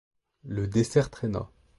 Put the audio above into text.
Le dessert traîna.